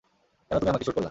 কেন তুমি আমাকে শ্যুট করলা?